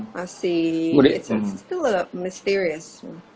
masih masih misterius